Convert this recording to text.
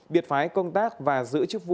biệt phái công tác và giữ chức vụ